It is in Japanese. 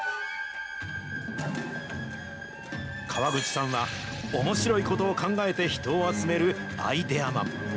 川口さんは、おもしろいことを考えて人を集めるアイデアマン。